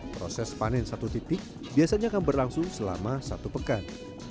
proses panen satu titik biasanya akan berlangsung selama satu pekan